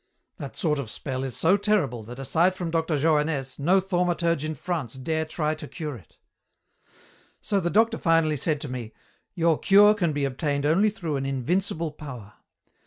That sort of spell is so terrible that aside from Dr. Johannès no thaumaturge in France dare try to cure it. "So the doctor finally said to me, 'Your cure can be obtained only through an invincible power.